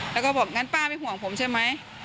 แล้วก็บอกงั้นป้าไม่ห่วงผมใช่ไหม